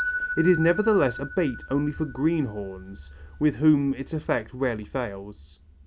It is nevertheless a bait only for greenhorns, with whom its effect rarely fails.